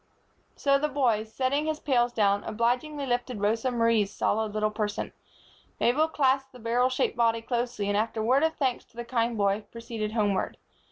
So the boy, setting his pails down, obligingly lifted Rosa Marie's solid little person, Mabel clasped the barrel shaped body closely, and, after a word of thanks to the kind boy, proceeded homeward.